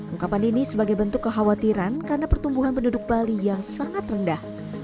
ungkapan ini sebagai bentuk kekhawatiran karena pertumbuhan penduduk bali yang sangat rendah